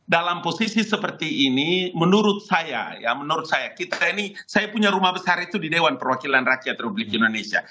dalam posisi seperti ini menurut saya ya menurut saya kita ini saya punya rumah besar itu di dewan perwakilan rakyat republik indonesia